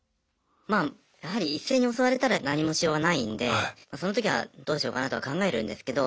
まあやはり一斉に襲われたら何もしようがないんでそのときはどうしようかなとは考えるんですけど。